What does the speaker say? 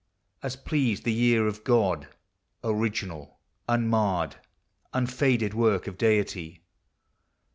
As pleased the ear of God ! original, Uninarred, unfaded work of Deity